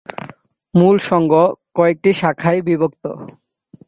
মূল সংঘ কয়েকটি শাখায় বিভক্ত।